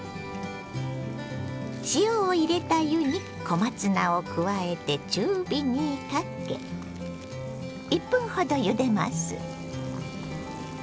塩を入れた湯に小松菜を加えて中火にかけ１分ほどゆでます。